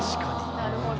なるほど。